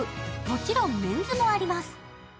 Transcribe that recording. もちろんメンズもあります。